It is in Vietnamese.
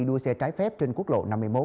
đua xe trái phép trên quốc lộ năm mươi một